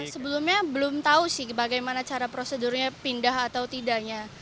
sebelumnya belum tahu sih bagaimana cara prosedurnya pindah atau tidaknya